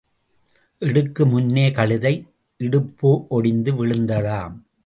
எடுக்கு முன்னே கழுதை இடுப்பு ஒடிந்து விழுந்ததாம்.